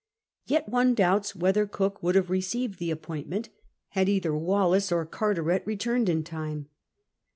Yet one doubts whether Cook would have received the appointment had either Wallis or Carteret returned in time.